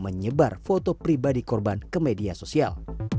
menyebar foto pribadi korban ke media sosial